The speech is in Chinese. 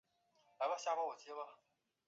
此后各位将领守臣皆升赏有别。